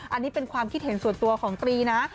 อันนี้เป็นความคิดเห็นส่วนตัวของตรีนะ